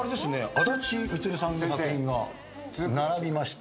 あだち充さんの作品が並びました。